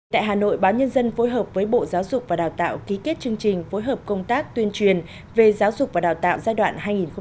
tại hà nội báo nhân dân phối hợp với bộ giáo dục và đào tạo ký kết chương trình phối hợp công tác tuyên truyền về giáo dục và đào tạo giai đoạn hai nghìn một mươi sáu hai nghìn hai mươi